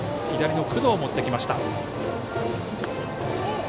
左の工藤を持ってきました。